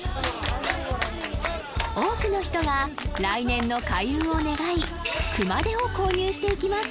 多くの人が来年の開運を願い熊手を購入していきます